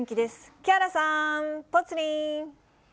木原さん、ぽつリン。